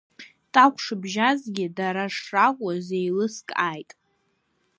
Такә шыбжьазгьы, дара шракәыз еилыскааит.